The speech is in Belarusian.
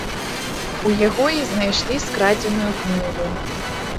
У яго і знайшлі скрадзеную кнігу.